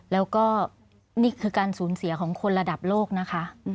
แล้วก็นี่คือการสูญเสียของคนระดับโลกนะคะ